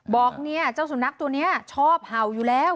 บอกเนี่ยเจ้าสุนัขตัวนี้ชอบเห่าอยู่แล้ว